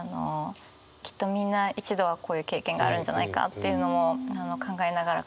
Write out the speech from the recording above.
きっとみんな一度はこういう経験があるんじゃないかっていうのも考えながら書いたんですけど。